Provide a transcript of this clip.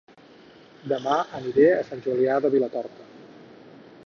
Dema aniré a Sant Julià de Vilatorta